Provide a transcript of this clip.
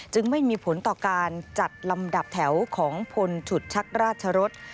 ไม่มีผลต่อการจัดลำดับแถวของพลฉุดชักราชรส